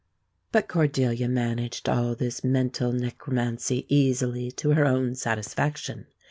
But Cordelia managed all this mental necromancy easily, to her own satisfaction.